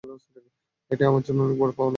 এটাই আমার জন্য অনেক বড় পাওয়া, মা।